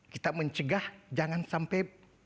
kita mencegah jangan sampai